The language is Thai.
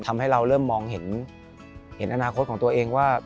ทำให้เราเริ่มมองเห็นอนาคตของตัวเองว่า